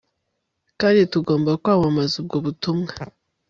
kandi tugomba kwamamaza ubwo butumwa